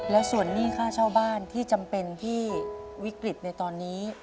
และส่วนหนี้ค่าเช่าบ้านที่จำเป็นที่วิกฤตในตอนนี้